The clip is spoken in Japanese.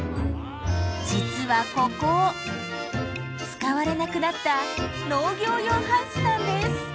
実はここ使われなくなった農業用ハウスなんです！